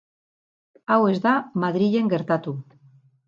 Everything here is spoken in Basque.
Hau ez da Madrilen gertatu.